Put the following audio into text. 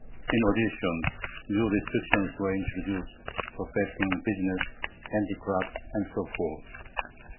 In addition, new restrictions were introduced affecting business, handicrafts, and so forth.